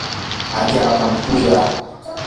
allaapami kuyaa.